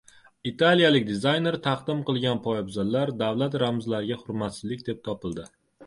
Italiyalik dizayner taqdim qilgan poyabzallar davlat ramzlariga hurmatsizlik deb topildi